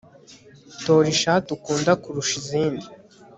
Tora ishati ukunda kurusha izindi